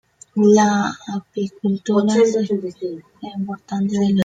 La apicultura es una actividad importante de la zona.